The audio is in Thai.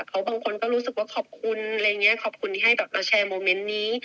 เขาบางคนก็รู้สึกว่าขอบคุณอะไรอย่างนี้ขอบคุณที่ให้แบบมาแชร์โมเมนต์นี้